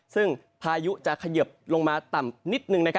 ซึ่งพายุจะเขยิบลงมาต่ำนิดนึง